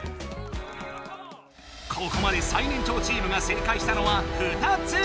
ここまで最年長チームが正解したのは２つ！